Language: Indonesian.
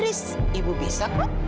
ibu bisa bu